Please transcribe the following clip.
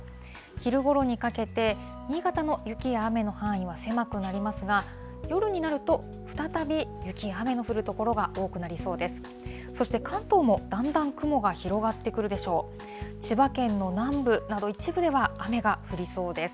昼ごろにかけて、新潟の雪や雨の範囲は狭くなりますが、夜になると再び雪、雨の降る所が多くなりそうです。